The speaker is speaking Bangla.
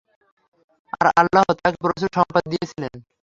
আর আল্লাহ তাঁকে প্রচুর সম্পদ দিয়েছিলেন।